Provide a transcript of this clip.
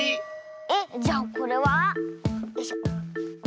えっじゃあこれは？よいしょ。